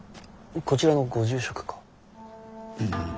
こちらのご住職か？